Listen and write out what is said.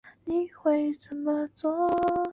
日本战国时代中期的阵旗多为方形旗。